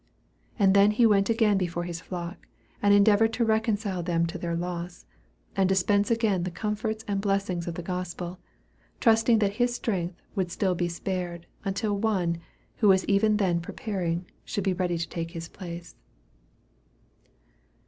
And then he went again before his flock, and endeavored to reconcile them to their loss, and dispense again the comforts and blessings of the gospel, trusting that his strength would still be spared, until one, who was even then preparing, should be ready to take his place.